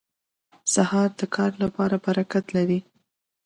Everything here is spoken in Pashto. سهار د کار لپاره برکت لري.